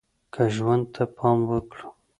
که ژوند ته پام وکړو